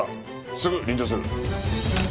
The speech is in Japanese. すぐ臨場する。